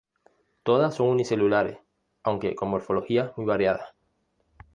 Todas son unicelulares, aunque con morfologías muy variadas.